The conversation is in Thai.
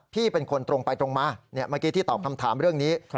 พี่เป็นคนตรงไปตรงมาเมื่อกี้ที่ตอบคำถามเรื่องนี้